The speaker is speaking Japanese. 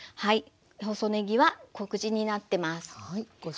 細ねぎは小口になってます。